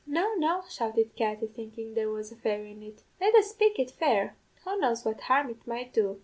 "'No, no,' shouted Katty, thinkin' there was a fairy in it; 'let us spake it fair. Who knows what harm it might do?